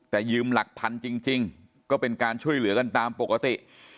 แต่ยืมหลักพันจริงก็เป็นการช่วยเหลือกันตามปกติ